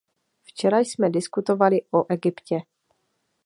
Včera jsme diskutovali o Egyptě.